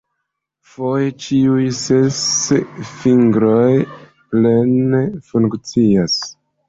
Foje ĉiuj ses fingroj plene funkcias.